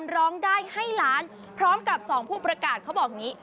ร้องได้ให้ล้านพร้อมกับสองผู้ประกาศเขาบอกอย่างนี้